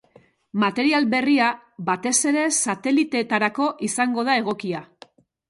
Material berria batez ere sateliteetarako izango da egokia.